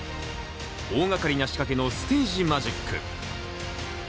大がかりな仕掛けのステージマジック。